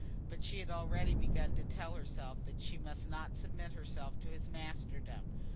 But she had already begun to tell herself that she must not submit herself to his masterdom.